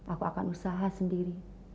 aku akan berusaha sendiri